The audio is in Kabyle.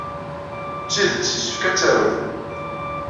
D tidet yessefk ad t-taruḍ.